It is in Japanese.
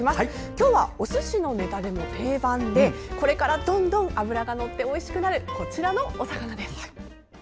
今日はおすしのネタでも定番でこれから、どんどん脂がのっておいしくなるこちらのお魚です。